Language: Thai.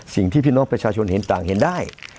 สิ่งที่พี่น้องประชาชนเห็นต่างเห็นได้